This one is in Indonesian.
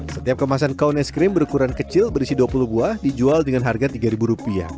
setiap kemasan kaun es krim berukuran kecil berisi dua puluh buah dijual dengan harga rp tiga